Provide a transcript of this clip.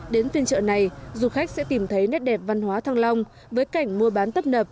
đến phiên chợ này du khách sẽ tìm thấy nét đẹp văn hóa thăng long với cảnh mua bán tấp nập